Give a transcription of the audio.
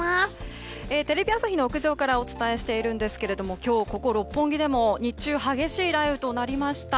テレビ朝日の屋上からお伝えしていますが今日、ここ六本木でも日中、激しい雷雨となりました。